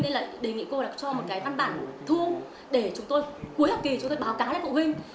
nên là đề nghị cô là cho một cái văn bản thu để chúng tôi cuối học kỳ chúng tôi báo cáo lại phụ huynh